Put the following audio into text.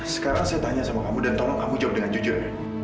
sekarang saya tanya sama kamu dan tolong kamu jawab dengan jujur